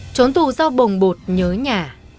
trốn tù do bồng bột nhớ nhà